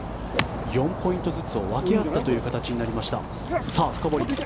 ４ポイントずつを分け合ったという形になりました。